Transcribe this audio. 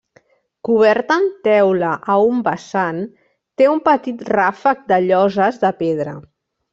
Coberta amb teula a un vessant, té un petit ràfec de lloses de pedra.